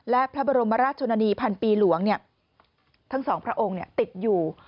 และพระบรมราชนีพันปีหลวงทั้งสองพระองค์ติดอยู่